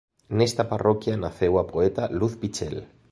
Nesta parroquia naceu a poeta Luz Pichel.